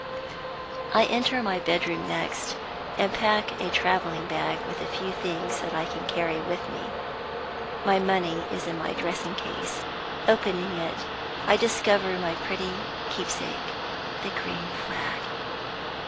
I enter my bedroom next, and pack a traveling bag with the few things that I can carry with me. My money is in my dressing case. Opening it, I discover my pretty keepsake the green flag!